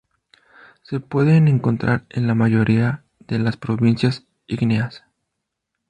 Se pueden encontrar en la mayoría de las provincias ígneas.